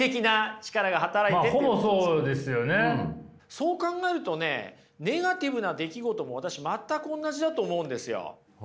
そう考えるとねネガティブな出来事も私全くおんなじだと思うんですよ。